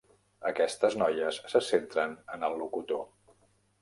Aquestes noies se centren en el locutor.